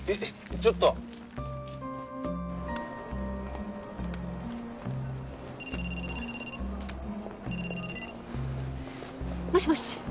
ちょっと！もしもし？